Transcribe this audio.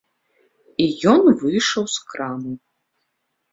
І ён выйшаў з крамы.